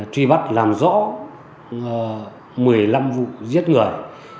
truy bắt làm rõ một mươi năm vụ giết người